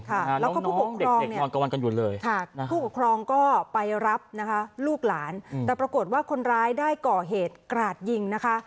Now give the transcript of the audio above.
ผู้ปกครองก็ไปรับนะคะลูกหลานแต่ปรากฏว่าคนร้ายได้ก่อเหตุกราดยิงนะคะ